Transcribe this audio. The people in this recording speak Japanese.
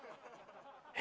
え？